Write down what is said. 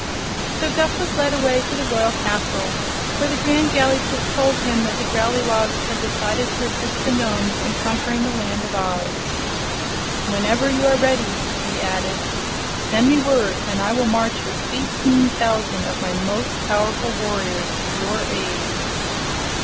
So Guph was led away to the royal castle, where the Grand Gallipoot told him that the Growleywogs had decided to assist the Nomes in conquering the Land of Oz. "Whenever you are ready," he added, "send me word and I will march with eighteen thousand of my most powerful warriors to your aid."